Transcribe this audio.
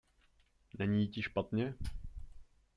Není ti špatně?